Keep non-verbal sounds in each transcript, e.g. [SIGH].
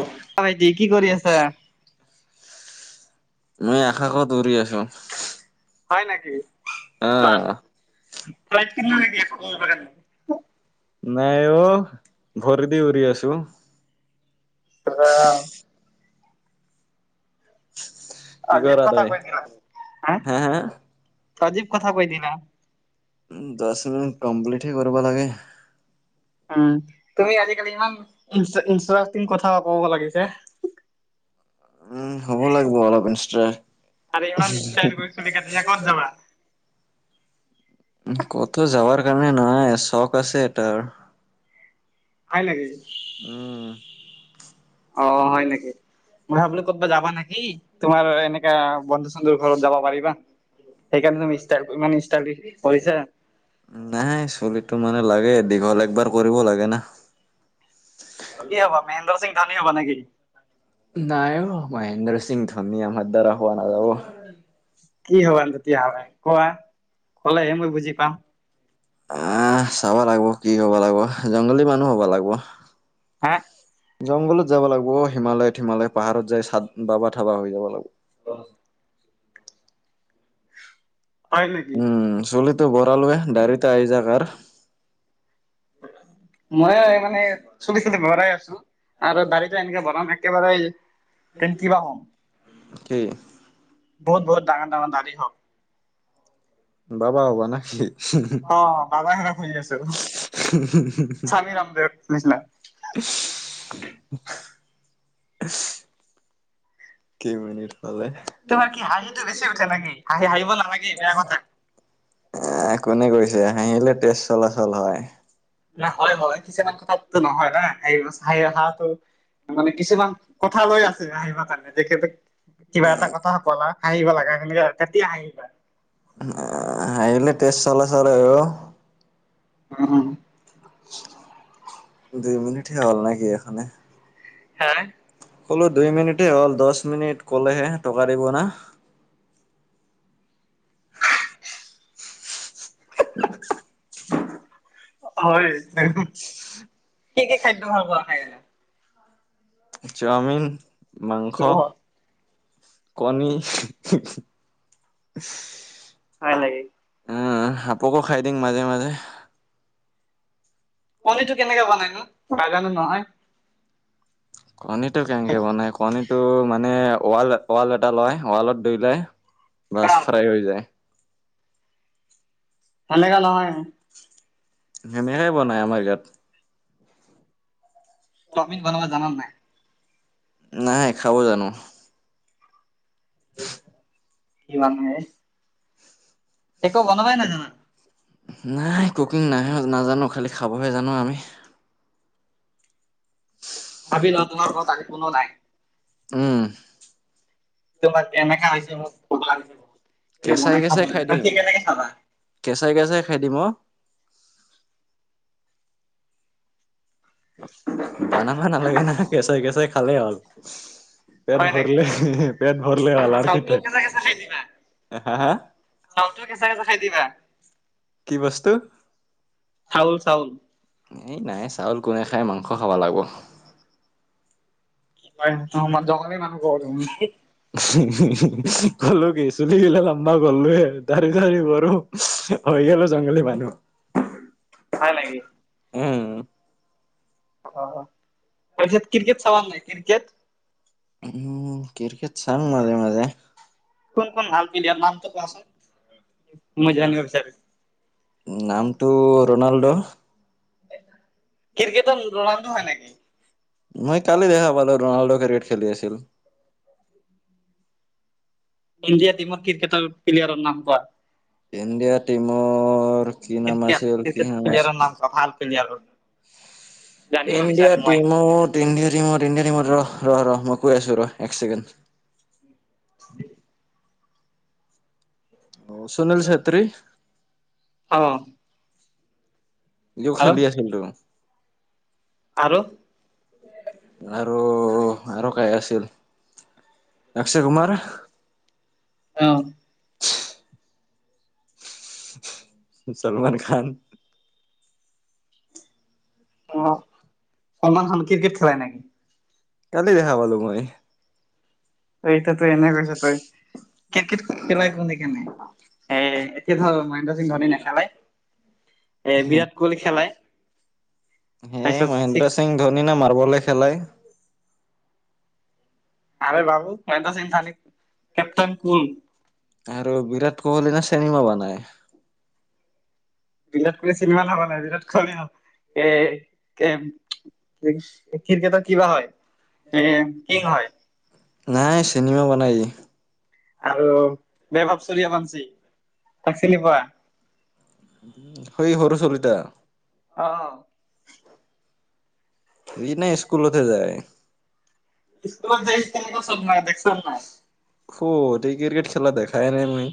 অ ভাইটি কি কৰি আছা? মই আকাশত উৰি আছো হয় নেকি বা আহ ফ্লাইট কিনিলি নেকি আকাশত যাবৰ কাৰণে নাই অ ভৰি দি উৰি আছো ৱাও কি অজীৱ কৰা কথা তই কৈ দিলা চোন হু হা হা অজীৱ কথা কৈ দিলা উ দহ মিনিট কমপ্লিট হে কৰিব লাগে উম তুমি আজিকালি ইমান ইন ইনষ্টাটিং কথা কব লাগিছে উম হ'ব লাগিব অলপ ইনষ্টা আৰু ইমান ষ্টাইল কৰি চুলি কাটিছা ক'ত যাবা উ কতো যাবাৰ কাৰণে নহয় চখ আছে এটাৰ হয় নেকি উম অ হয় নেকি মই ভাবিলো কতবাত যাবা নেকি তোমাৰ এনেকা বন্ধু চন্ধুৰ ঘৰত যাবা পাৰিবা সেইকাৰণে তুমি ইষ্টাইল ইমান ইষ্টাইল কৰিছা। নাই চুলিটো মানে লাগে দীঘল একবাৰ কৰিব লাগে না। কি হব মেহেন্দ্ৰ সিং ধনী হব নে কি নাই মহেন্দ্ৰ সিংহ ধনী আমাৰ দৰে হোৱা নাযাব কি হ'বা তেতিয়াহ'লে কোৱা। ক'লেহে মই বুজি পাম। আহ চাব লাগব' কি হ'ব লাগব'। জংগলী মানুহ হব লাগব'। হা? জংঘলত যাব লাগব' অ। হিমালয়ত হিমালয় পাহাৰত যাই চাট বাবা থাবা হৈ যাব লাগব'। অ। হয় নেকি? উম চুলিতো বৰালোৱে দাইৰেক তাই জাগাৰ। মই মানে চুলি চুলি ভৰাই আছো। আৰু দাড়িটো এনেকে বনাম একেবাৰে এ [UNINTELLIGIBLE] কি? বহুত বহুত ডাঙৰ ডাঙৰ দাড়ি হক। বাবা হ'বা না কি? অ বাবাই হয় আছো, স্বামী ৰামদেৱ নিচিনা। [UNINTELLIGIBLE] কেই মিনিট হ'লে? তোমাৰ কি হাঁহিটো বেছি উঠে নেকি? হা হাহিব নালাগে বেয়া কথা। এ কোনে কৈছে? হাহিলে তেজ চলাচল হয়। দিয়া হয় হয়। কিছুমান কথাতটো নহয় না সেই হাহি থাকাটো মানে কিছুমান কথা লৈ আছে হাহিব কাৰণে তে কিবা এটা কথা ক'লা। হাহিব লাগা যেনেকে তেতিয়া হাহিবা। অ হাহিলে তেজ চলাচল হয় আৰু। উ, উ। দুই মিনিটহে হ'ল নেকি এখনে? হে? ক'লো দুই মিনিটে হ'ল। দছ মিনিট ক'লেহে টকা দিব না। হয়, কি কি খাদ্য ভাল পোৱা খাই এনে। চাওমিন, মাংস। কণী। হয়, হয়। আ হা সাপকো খাই দিং মাজে মাজে। পনীৰটো কেনেকে বনাই নো? নাজানো নহয়। কণীটো কেনেকে বনাই কণীটো মানে ৱালত ৱাল এটা লয়। ৱালত দৈলায়। বছ খাম। ফ্ৰাই হৈ যায়। হেনেকা নহয়। হেনেকাই বনায় আমাৰ ইয়াত। চাওমিন বনাবা জানা নাই? নাই, খাব জানো। কি মানুহ হেই। একো বনাবই নাজানা? নাই কুকিং নাহে নাজানো। খালি খাবহে জানো আমি। ভাবি লোৱা তোমাৰ ঘৰত আজি কোনো নাই। উম। তোমাক এনেকা হৈছে মোক ভাত কেঁচাই বনাই খাব কেঁচাই লাগে। খাই তেতি দিম কেনেকে খাবা? কেঁচাই কেঁচাই খাই দিম অ। [UNINTELLIGIBLE] বনাব নালাগে নহয় কেঁচাই কেঁচাই খালেই হ'ল। পেট হয় নেকি? ভৰলে পেট ভৰলে হ'ল আৰু কি চাউলটো কেঁচা থেত হা হা? চাউলটোও কেঁচাই কেঁচাই খাই দিবা। কি বস্তু? থাউল, চাউল এই নাই চাউল কোনে খায়? মাংস খাব লাগব। হয়। [UNINTELLIGIBLE] জংঘলী মানুহ ক'ব দেখোন হে [UNINTELLIGIBLE] কলো কি চুলি গিলা লামবা কৰলোৱে। দাড়ি চাৰি বঢ়ো। হৈ গেলো জংঘলী মানুহ। হয় নেকি? উম। অ অ। তাৰ পিছত ক্ৰিকেট চালা নাই ক্ৰিকেট? উম ক্ৰিকেট চাঙ মাজে মাজে। কোন কোন ভাল পিলিয়াৰ নামটো কোৱাচোন মই জানিব বিচাৰিম। নামটো ৰণাল্ড'। ক্ৰিকেটৰ ৰণাল্ড' হয় নেকি? মই কালি দেখা পালো ৰণাল্ড' ক্ৰিকেট খেলি আছিল। ইণ্ডিয়া টিমত ক্ৰিকেটৰ প্লিয়াৰৰ নাম কোৱা? ইণ্ডিয়া টিমত কি নাম ক্ৰিকেট আছিল কি ক্ৰিকেট নাম আছিল প্লেয়াৰৰ কোৱা ভাল প্লেয়াৰৰ? জানিব ইণ্ডিয়া বিচাৰো মই টিমত ইণ্ডিয়া টিমত ইণ্ডিয়া টিমত ৰহ ৰহ ৰহ মই কৈ আছো ৰহ এক চেকেণ্ড। [INAUDIBLE] অ সুনিল চেত্ৰী। অ। ইয়ো আৰু খেলি আছিলটো। আৰু আৰু আৰু কাই আছিল অক্ষয় কুমাৰ। অ। ছলমান খান। অ সলমান খান ক্ৰিকেট খেলাই নেকি? কালি দেখা পালো মই। তই এইটোতো এনে কৈছ তই, ক্ৰিকেট খেলাই কোনে কোনে? এ এতিয়া ধৰ মহেন্দ্ৰ সিং ধোনী নেখেলাই? এ বিৰাট কোহলি খেলাই। তাৰ পিছত ধনী না মাৰ্বলে খেলায়। আৰে বাবু মহেন্দ্ৰ সিং ধোলি কেপ্টেইন কোল। আৰু বিৰাট কোহলি নে চিনেমা বনাই। বিৰাট কোহলিয়ে চিনেমা নবনাই বিৰাট কোহলি এ ক্ৰিকেটৰ কিবা হয়। এ কিং হয়। নাই চিনেমা বনাই ই। আৰু বেভপ চুৰিয়া বঞ্চি তাক চিনি পোৱা? সৈই সৰু চলিতা? অ। সি এনে স্কুলতে যায়। স্কুলত যাই সি কেনেকুৱা চত মাৰে দেখিছা নাই? ক'ত সি ক্ৰিকেট খেলা দেখাই নাই মই।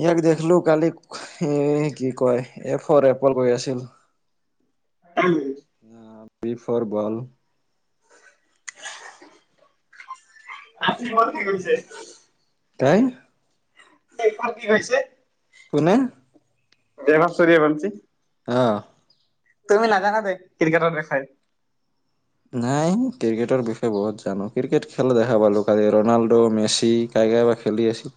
ইয়াক দেখিলো কালি এ কি কয় এ ফৰ এপল কৈ আছিল। উমঁ। বি ফৰ বল। [INAUDIBLE] কি কৈছে [UNINTELLIGIBLE] তাই। ঐ ইপাত কি হৈছে। কোনে? বেভৱ চুৰিয়া বঞ্চি? অ। তুমি নাজানা দে ক্ৰিকেটৰ বিষয়ে। নাই ক্ৰিকেটৰ বিষয়ে বহুত জানো, ক্ৰিকেট খেল দেখা পালোঁ কালি ৰনাল্ডো মেচি টাইগাৰো খেলি আছিল।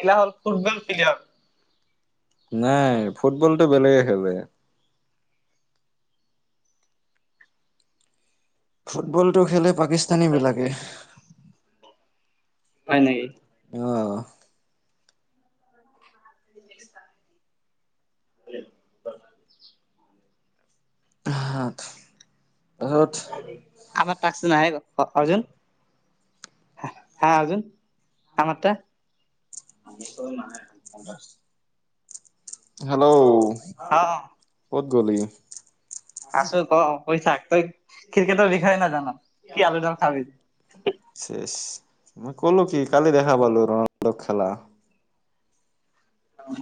ইনা হ'ল ফুটবল প্লেয়াৰ। নাই ফুটবলটো বেলেগে খেলে। ফুটবলটো খেলে পাকিস্তানী বিলাকে। হয় নেকি? অ। [UNINTELLIGIBLE] [UNINTELLIGIBLE] সাত ৰ'দ আমাৰ টাস্ক নাহেই ক অৰ্জুন। হা অৰ্জুন আমাৰটা নিশ্চয় নাহে গম পাইছ- হেল্ল' অ ক'ত গ'লি? আছো ক কৈ থাক। তই ক্ৰিকেটৰ বিষয়ে নেজান কি আলুডাল খালি। ছেছ, মই কলো কি কালি দেখা পালো ৰোনাল্ডো খেলা। অহ।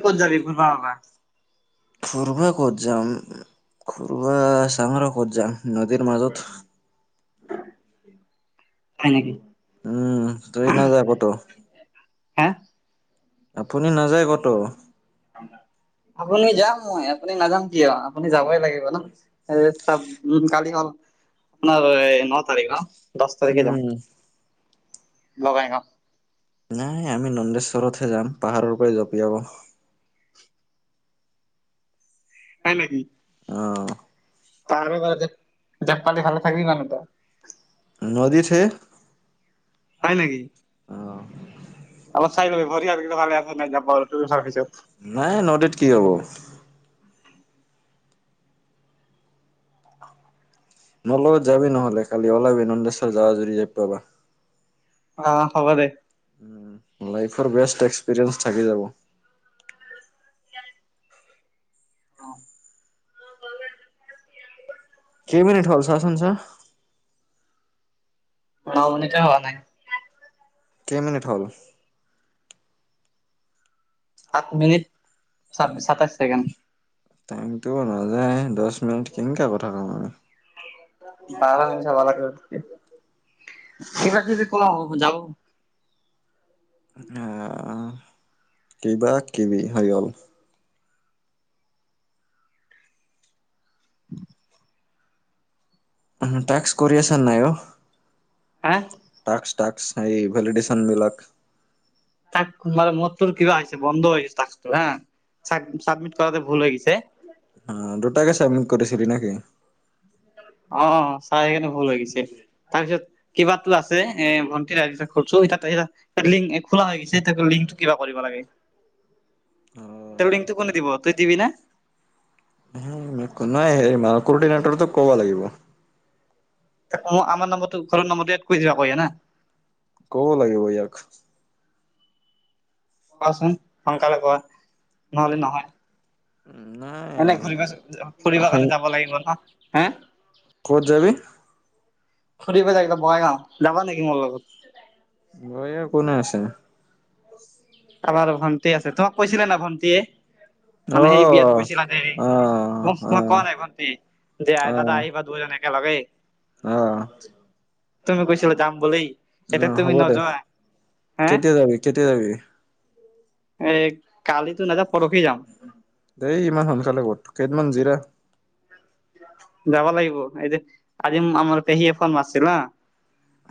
[UNINTELLIGIBLE] ফুৰব ক'ত যাম। ঘৰুৱা চাহৰ ক'ত যাম নদীৰ মাজত। হয় নেকি? উম। তই নেজাও ক'ত? হা আপুনি নাযায় ক'ত? আপুনি যাম মই, আপুনি নাযাম কিয় আপুনি যাবই লাগিব ন? কালি হ'ল আপোনাৰ ন' তাৰিখ। দছ তাৰিখে যাম উম বগাইগাওঁ। নাই আমি নন্দেশ্বৰত'হে যাম পাহাৰৰ পৰা জঁপিয়াব। হয় নেকি? অ। পাহাৰৰ পৰা জাপ মাৰি ভালে থাকিবি মানুহ ত। নদীত হে। হয় নেকি? অহ অলপ চাই লবি [UNINTELLIGIBLE] নাই নদীত কি হ'ব। মোৰ লগত যাবি নহ'লে কালি ওলাবি নন্দেশ্বৰ যাও যদি যাব পাবা। অহ হ'ব দে। উম লাইফৰ বেষ্ট এক্সপ্ৰেছ্ থাকি যাব। অহ [UNINTELLIGIBLE] কেই মিনিট হ'ল ছা চোন ছা। ন মিনিটো হোৱা নাই। কেই মিনিট হ'ল? সাত মিনিট, সাতাইশ ছেকেণ্ড। টাইমটো নাযায় দ'হ মিনিট কেনেকে কথা ক'ম আমি। [UNINTELLIGIBLE] কিবা কিবি খোৱা হও যাওঁ আহ কিবা কিবি হৈ গ'ল। উহুম টেক্স কৰি আছা নাই অ'? হা! টাক্স টাক্স হেৰি ভেলিডেচন বিলাক তাক কোনবা ৰুমত তোৰ কিবা হৈছে বন্ধ হৈছে টাস্কটো হা চাবমিট কৰাটে ভুল হৈ গৈছে। অ দুটাকে চাবমিট কৰিছিলি নেকি? অহ অহ চাই সেইকাৰণে ভুল গৈছে। তাৰপিছত কিবা আছে এ' ভণ্টি [UNINTELLIGIBLE] লিংক খোলা হৈ গৈছে লিংকটো কিবা কৰিব লাগে। তোৰ লিংটো কোনে দিব তই দিবি না হোম একো মাক্ৰ্যদিনৰ টোক কব লাগিব [UNINTELLIGIBLE] মোৰ আমাৰ নম্বৰটোৰ ঘৰৰ এড কৰি দিব কই না। ক'ব লাগিব ইয়াক। কোৱাচোন সোনকালে কোৱা নহলে নহয়? উম নাই। এনে ঘুৰিব ফুৰিব হয়, কাৰণে যাব লাগিব ন হে! ক'ত যাবি? ফুৰিব যায় একদম বঙাইগাঁও, যাবা নেকি মোৰ লগত? বঙাইগাঁৱত কোনে আছে? আমাৰ ভণ্টি আছে, তোমাক কৈছিলে না ভণ্টিয়ে অ মানে সেই অ বিয়াত গৈছিলা যে অ মোক, তোমাক [UNINTELLIGIBLE] কোৱা নাই ভন্টি, যে আ অ দাদা আহিবা দুইজন একেলগে। অ তুমি কৈছিলা যাম বুলি। অ এতিয়া তুমি হ'ব দে, নোযোৱা হে কেতিয়া যাবি কেতিয়া যাবি? এ কালিতো নাযাম, পৰখি যাম। দেই ইমান সোনকালে কত কেইদিনমান জিৰা। যাব লাগিব, এইটো আজি আমাৰ পেহীয়ে ফোন মাৰছিল হা।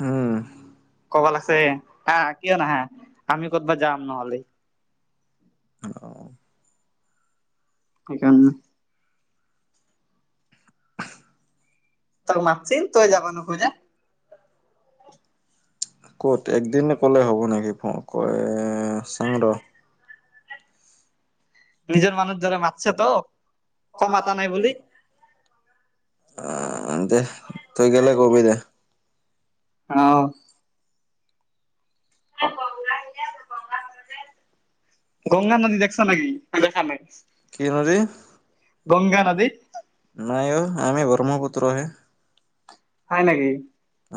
উম। ক'ব লাগিছে, আহ কিয় নাহা আমি ক'ৰবাত যাম নহলে? অ সেইকাৰণে। তাক মাতছিল তই যাব নোখোজা ক'ত একদিন ক'লে হ'ব নেকি কয়ে চাং ৰ? নিজৰ মানুহ দৰে মাতছে তোক ক মাতা নাই বুলি। অ দে তই গেলে কবি দে। অহ গংগা নদী দেখাছা নেকি? দেখা নাই কি নদী? গংগা নদী। নাই অ' আমি ব্ৰহ্মপুত্ৰ হে। হয় নেকি?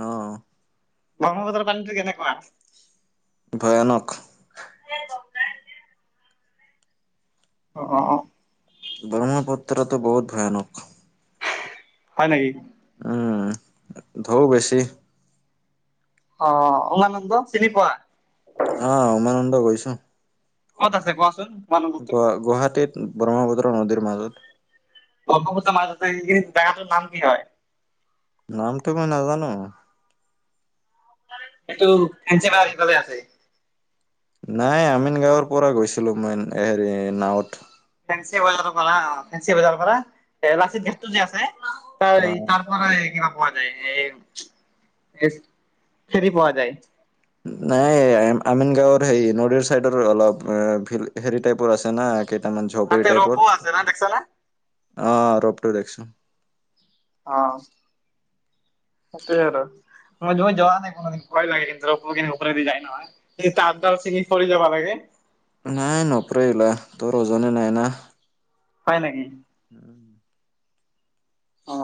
অ। ব্ৰহ্মপত্ৰ পানীটো কেনেকুৱা? ভয়ানক। [INAUDIBLE] অ অ অ। ব্ৰহ্মপুত্ৰটো বহুত ভয়ানক। হয় নেকি? উম ঢৌ বেছি অ উমানন্দ চিনি পোৱা অ উমানন্দ গৈছো ক'ত আছে কোৱাচোন উমানন্দটো গ গুৱাহাটীত ব্ৰহ্মপুত্ৰ নদীৰ মাজত ব্ৰক্ষ্মপুত্ৰ মাজত এই জেগাটোৰ নাম কি হয় নামটো মই নাজানো। এইটো ফেঞ্চি বাজাৰ সিফালে আছে। নাই আমিন গাঁৱৰ পৰা গৈছিলো মই হেৰি নাৱত। ফেঞ্চি বজাৰৰ পৰা অ ফেঞ্চি বজাৰৰ পৰা এ লাচিত গেটটো যে আছে তাৰ অ তাৰপৰা এ কিবা পোৱা যায় এ ফেৰি পোৱা যায়। নাই আমিন গাঁৱৰ হেৰি নদীৰ চাইডৰ অলপ ভিল হেৰি টাইপৰ আছে না কে তামান ঝপ্ৰি তাতে ৰ'পো টাইপৰ আছে না দেখছা না? অ ৰপু দেখিছো। অ সেইটো আৰু। মই যোৱা নাই কোনদিন ভয় লাগে কিন্তুু ওপৰেদি যায় নহয়? সেই তাঁৰ ডাল চিঙি পৰি যাব লাগে নাই নপৰেই ওলা তোৰ ওজনে নাই না হয় নেকি উম অ'